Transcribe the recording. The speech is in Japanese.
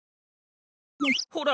ほら。